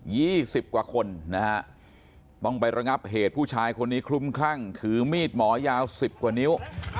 สิบกว่าคนนะฮะต้องไประงับเหตุผู้ชายคนนี้คลุมคลั่งถือมีดหมอยาวสิบกว่านิ้ว